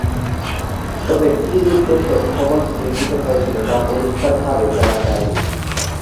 তবে কি উদ্দেশ্যে ভবনটি নির্মিত হয়েছিলো তা পরিষ্কারভাবে জানা যায়নি।